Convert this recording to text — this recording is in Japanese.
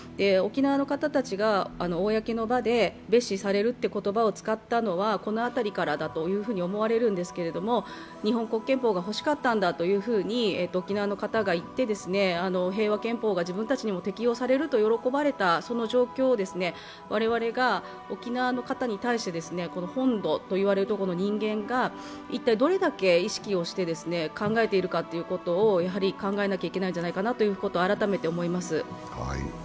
沖縄の方たちが公の場で蔑視されるという言葉を使ったのはこの辺りからだと思われるんですけれども、日本国憲法が欲しかったんだというふうに沖縄の方が言って平和憲法が自分たちにも適用されると喜ばれたその状況が我々が沖縄の方に対して本土と言われるところの人間が、一体どれだけ意識をして考えているかということを考えなきゃいけないんじゃないかなということを改めて思います。